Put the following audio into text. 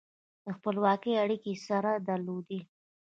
د خپلوۍ اړیکې یې سره درلودې.